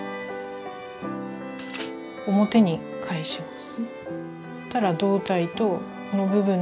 表に返します。